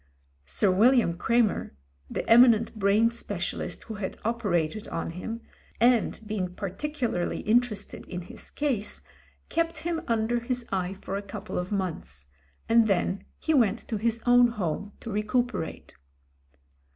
Sir William Cremer, the eminent brain spe^ cialist, who had operated on him, and been particularly interested in his case, kept him under his eye for a 194 MEN, WOMEN AND GUNS couple of months, and then he went to his own home to recuperate.